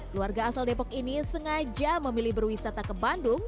keluarga asal depok ini sengaja memilih berwisata ke bandung